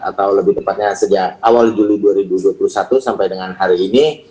atau lebih tepatnya sejak awal juli dua ribu dua puluh satu sampai dengan hari ini